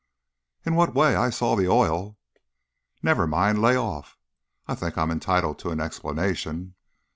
"In what way? I saw the oil " "Never mind. Lay off!" "I think I'm entitled to an explanation."